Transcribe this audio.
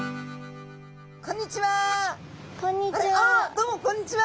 どうもこんにちは！